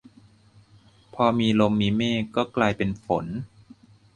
พอมีลมมีเมฆก็กลายเป็นฝน